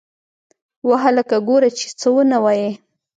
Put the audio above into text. وه هلکه گوره چې څه ونه وايې.